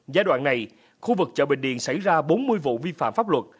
giai đoạn này khu vực chợ bình điền xảy ra bốn mươi vụ vi phạm pháp luật